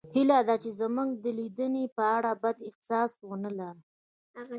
هیله ده چې زموږ د لیدنې په اړه بد احساس ونلرئ